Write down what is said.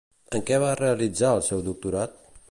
En què va realitzar el seu doctorat?